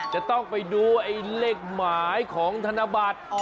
จะต้องไปดูไอ้เลขหมายของธนบัตร